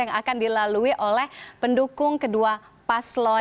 yang akan dilalui oleh pendukung kedua paslon